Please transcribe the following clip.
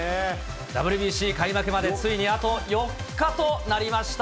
ＷＢＣ開幕までついにあと４日となりました。